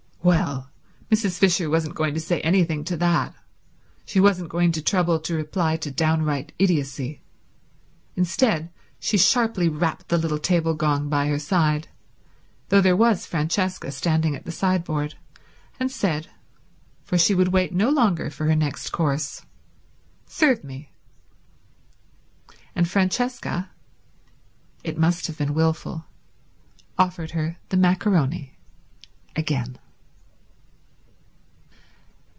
Well, Mrs. Fisher wasn't going to say anything to that; she wasn't going to trouble to reply to downright idiocy. Instead she sharply rapped the little table gong by her side, though there was Francesca standing at the sideboard, and said, for she would wait no longer for her next course, "Serve me." And Francesca—it must have been wilful—offered her the maccaroni again.